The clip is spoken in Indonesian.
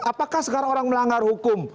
apakah sekarang orang melanggar hukum